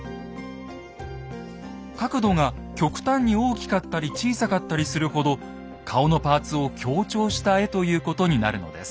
角度が極端に大きかったり小さかったりするほど顔のパーツを強調した絵ということになるのです。